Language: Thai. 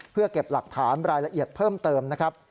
เพื่อเก็บหลักฐานรายละเอียดเพิ่มเติมนะครับ